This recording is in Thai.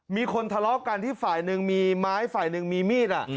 มีคนทะเลาะกันที่ฝ่ายหนึ่งมีไม้ฝ่ายหนึ่งมีมีด